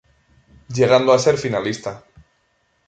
Llegando a ser finalista.